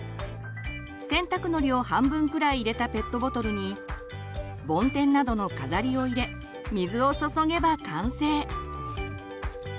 洗濯のりを半分くらい入れたペットボトルにボンテンなどの飾りを入れ水を注げば完成。